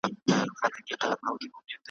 وایه مُلاجانه له پېریان سره به څه کوو ,